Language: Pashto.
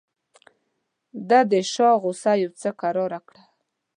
ده د شاه غوسه یو څه کراره کړه.